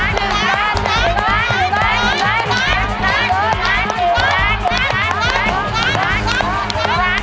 ๑ล้านบาท